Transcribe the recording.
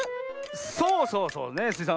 そうそうそうねスイさん